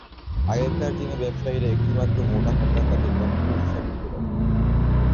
আগেকার দিনে ব্যবসায়ীরা একটি মাত্র মোটা খাতায় তাদের যাবতীয় হিসাব লিখে রাখতেন।